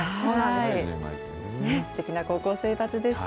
すてきな高校生たちでした。